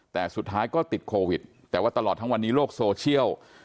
แต่สุดท้ายก็ติดโควิดแต่ว่าตลอดทั้งวันนี้โลกโซเชียล